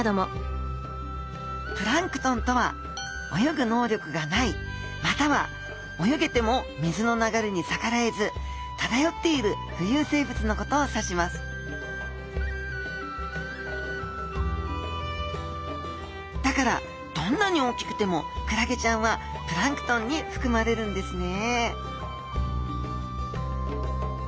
プランクトンとは泳ぐ能力がないまたは泳げても水の流れに逆らえず漂っている浮遊生物のことを指しますだからどんなに大きくてもクラゲちゃんはプランクトンにふくまれるんですね